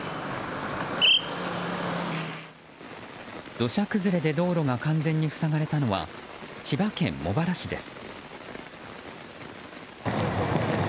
土砂崩れで道路が完全に塞がれたのは千葉県茂原市です。